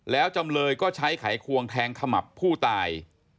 แล้วจำเลยก็ใช้ไขควงแทงขมับผู้ตาย